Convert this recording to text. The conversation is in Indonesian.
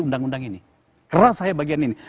undang undang ini keras saya bagian ini